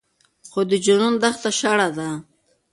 خو د جنون دښته شړه ده